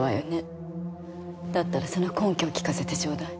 だったらその根拠を聞かせてちょうだい。